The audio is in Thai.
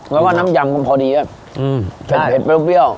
แล้วก็น้ำยำก็พอดีอ่ะอืมเป็นเผ็ดเป็นเปรี้ยว